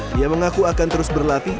dia mengaku akan terus berlatih